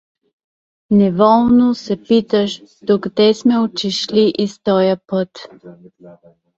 Неволно се питаш: до где сме отишли из тоя път?